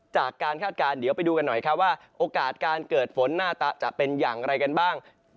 คาดการณ์เดี๋ยวไปดูกันหน่อยครับว่าโอกาสการเกิดฝนหน้าตาจะเป็นอย่างไรกันบ้าง